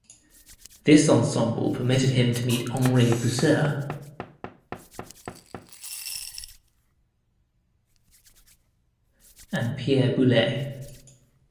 This ensemble permitted him to meet Henri Pousseur and Pierre Boulez.